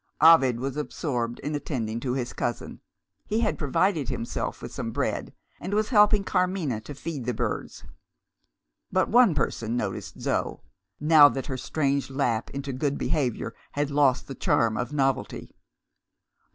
Ovid was absorbed in attending to his cousin; he had provided himself with some bread, and was helping Carmina to feed the birds. But one person noticed Zo, now that her strange lapse into good behaviour had lost the charm of novelty.